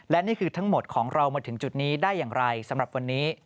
และนี่คือทั้งหมดของเรามาถึงจุดนี้ได้อย่างไรสำหรับวันนี้